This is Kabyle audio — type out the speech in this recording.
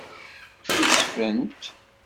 Ssusfent.